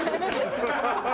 ハハハハ！